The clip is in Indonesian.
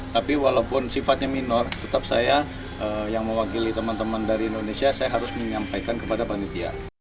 tapi walaupun sifatnya minor tetap saya yang mewakili teman teman dari indonesia saya harus menyampaikan kepada panitia